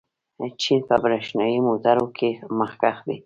چین په برېښنايي موټرو کې مخکښ دی.